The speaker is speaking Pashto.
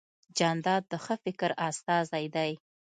جانداد د ښه فکر استازی دی.